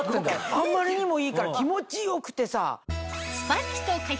あまりにもいいから気持ちよくてさ。